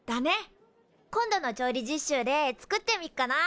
今度の調理実習で作ってみっかな。